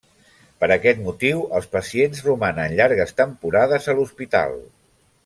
Per aquest motiu, els pacients romanen llargues temporades a l'hospital.